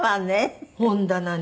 本棚に。